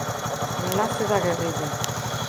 Enlace da guerrilla.